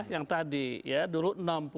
yang tadi ya dulu enam puluh empat puluh